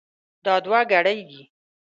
دا دوه ګړۍ دي.